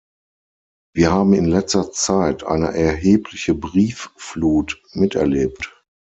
Wir haben in letzter Zeit eine erhebliche Briefflut miterlebt.